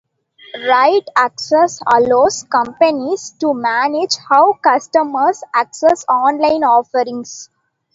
RightAccess allows companies to manage how customers access online offerings.